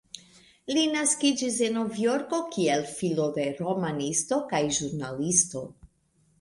Li naskiĝis en Novjorko, kiel filo de romanisto kaj ĵurnalisto.